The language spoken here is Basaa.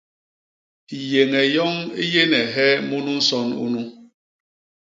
Yéñe yoñ i yéne hee munu nson unu?